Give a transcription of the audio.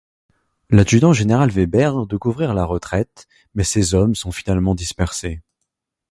L'adjudant-général Weber de couvrir la retraite, mais ses hommes sont finalement dispersés.